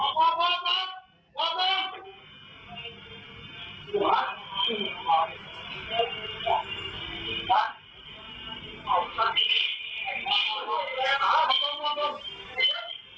ขอบคุณนะครับเขามาขอบคุณขอบคุณ